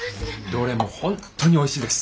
どれも本当においしいです。